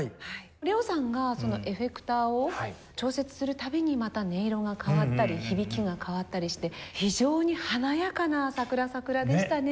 ＬＥＯさんがそのエフェクターを調節する度にまた音色が変わったり響きが変わったりして非常に華やかな『さくらさくら』でしたね。